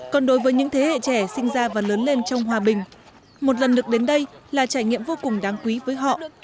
còn đối với những thế hệ trẻ sinh ra và lớn lên trong hòa bình một lần được đến đây là trải nghiệm vô cùng đáng quý với họ